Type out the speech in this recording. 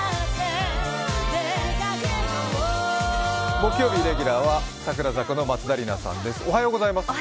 木曜日レギュラーは櫻坂の松田里奈さんです。